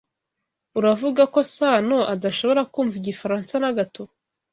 Uravuga ko Sano adashobora kumva igifaransa na gato?